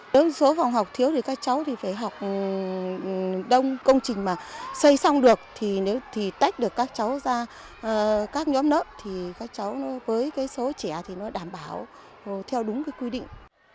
nếu số phòng học thiếu thì các cháu phải học đông công trình mà xây xong được thì nếu tách được các cháu ra các nhóm lớp thì các cháu với số trẻ thì nó đảm bảo theo đúng quy định